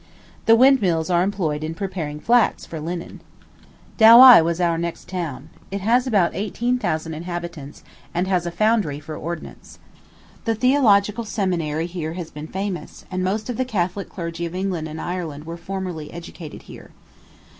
The windmills are employed in preparing flax for linen. Douai was our next town. It has about eighteen thousand inhabitants, and has a foundery for ordnance. The Theological Seminary here has been famous, and most of the Catholic clergy of England and Ireland were formerly educated here.